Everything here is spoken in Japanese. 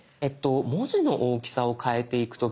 文字の大きさを変えていく時。